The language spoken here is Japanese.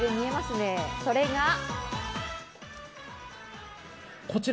それが。